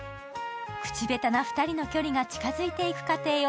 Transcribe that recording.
口下手な２人の距離が近づいていく過程を